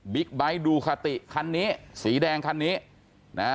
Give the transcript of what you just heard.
บิ๊กไบท์ดูคาติคันนี้สีแดงคันนี้